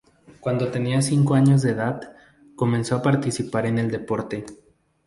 Cuando tenía cinco años de edad, comenzó a participar en el deporte.